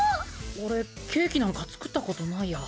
俺ケーキなんか作ったことないや。